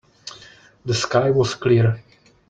The sky was clear.